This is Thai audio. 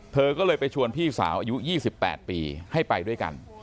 เธอก็เลยไปชวนพี่สาวอายุ๒๘ปีให้ไปด้วยกัน